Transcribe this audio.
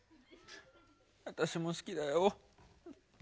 私も好きだよ。